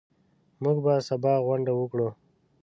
موږ به سبا غونډه وکړو.